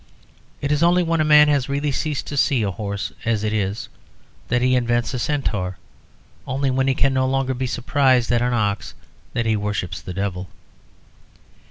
It is only when a man has really ceased to see a horse as it is, that he invents a centaur, only when he can no longer be surprised at an ox, that he worships the devil.